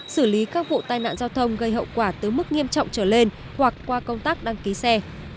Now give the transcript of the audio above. xử lý các vụ tai nạn giao thông gây hậu quả từ mức nghiêm trọng trở lên hoặc qua công tác đăng ký xe